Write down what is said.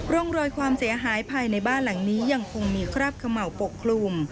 ร่องรอยความเสียหายภายในบ้านหลังนี้ยังคงมีคราบเขม่าปกคลุม